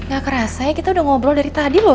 gak kerasa ya kita udah ngobrol dari tadi loh